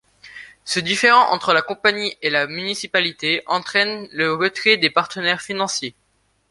Ce différend entre la compagnie et la municipalité entraîne le retrait des partenaires financiers.